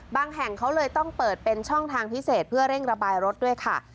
แห่งเขาเลยต้องเปิดเป็นช่องทางพิเศษเพื่อเร่งระบายรถด้วยค่ะ